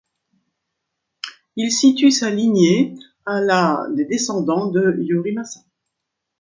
Il situe sa lignée à la des descendants de Yorimasa.